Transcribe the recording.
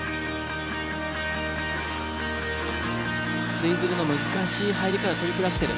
ツイズルの難しい入り方トリプルアクセル。